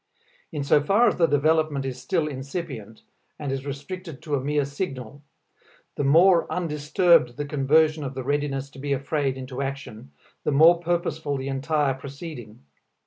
In so far as the development is still incipient, and is restricted to a mere signal, the more undisturbed the conversion of the readiness to be afraid into action the more purposeful the entire proceeding.